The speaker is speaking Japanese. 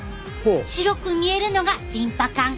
白く見えるのがリンパ管！